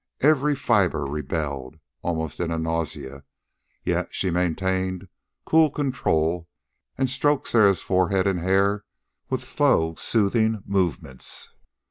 Every fiber rebelled, almost in a nausea; yet she maintained cool control and stroked Sarah's forehead and hair with slow, soothing movements.